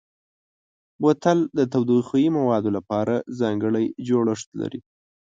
بوتل د تودوخهيي موادو لپاره ځانګړی جوړښت لري.